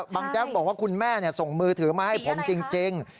แจ๊กบอกว่าคุณแม่ส่งมือถือมาให้ผมจริง